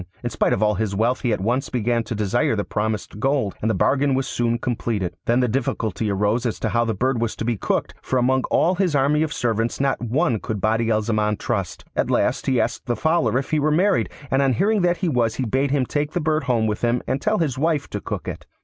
In spite of all his wealth he at once began to desire the promised gold, and the bargain was soon completed. Then the difficulty arose as to how the bird was to be cooked; for among all his army of servants not one could Badi al Zaman trust. At last he asked the Fowler if he were married, and on hearing that he was he bade him take the bird home with him and tell his wife to cook it.